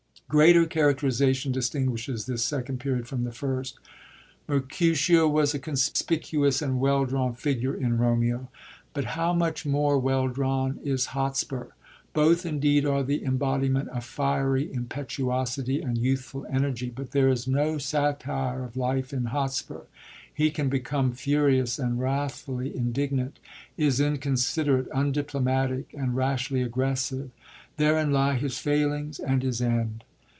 Greater characterisation distinguishes this Second Period from the First. Mercutio was a * conspicuous and well drawn figure in Romeo ; but how much more well drawn is Hotspur! Both, indeed, are the em bodiment of fiery impetuosity and youthful energy, but there is no satire of life in Hotspur : he can become furious and wrathf uUy indignant, is inconsiderate, un diplomatic and rashly aggressive ; therein lie his failings and his end.